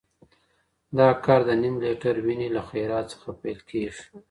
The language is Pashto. دا کار د نیم لیتر وینې له خیرات څخه پیل کېږي.